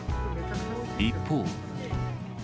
一方。